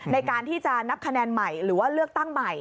ในการที่จะนับคะแนนใหม่หรือว่าเลือกตั้งใหม่